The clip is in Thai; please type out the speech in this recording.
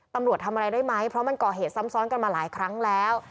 ตำรวจทำอะไรได้ไหมเพราะมันก่อเหตุซ้ำซ้อนกันมาหลายครั้งแล้ว